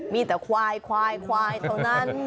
มีแต่ควายควายเท่านั้น